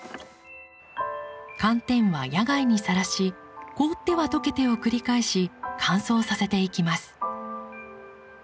寒天は野外にさらし凍ってはとけてを繰り返し乾燥させていきます。